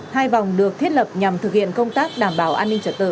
hai vòng được thiết lập nhằm thực hiện công tác đảm bảo an ninh trật tự